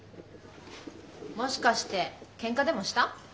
もしかしてケンカでもした？